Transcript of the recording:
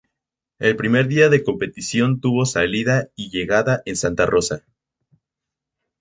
El primer día de competición tuvo salida y llegada en Santa Rosa.